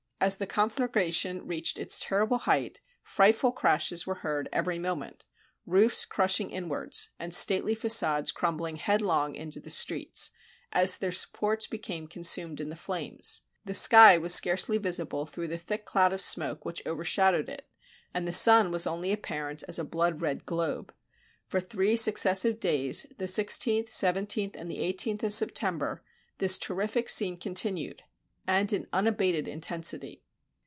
As the conflagration reached its terrible height, frightful crashes were heard every moment; roofs crushing inwards, and stately facades crumbling headlong into the streets, as their supports became consumed in the flames. The sky was scarcely visible through the thick cloud of smoke which over shadowed it, and the sun was only apparent as a blood red globe. For three successive days, the i6th, 17th, and the 1 8th of September, this terrific scene continued, and in unabated intensity.